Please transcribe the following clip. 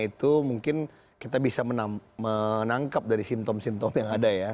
itu mungkin kita bisa menangkap dari simptom simptom yang ada ya